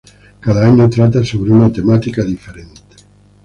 Cada año trata sobre una temática diferente.